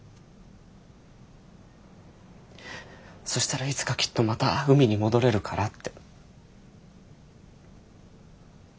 そしたらいつかきっとまた海に戻れるからって。